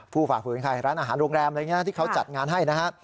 ฝ่าฝืนใครร้านอาหารโรงแรมอะไรอย่างนี้นะที่เขาจัดงานให้นะฮะ